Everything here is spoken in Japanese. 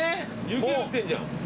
雪降ってんじゃん。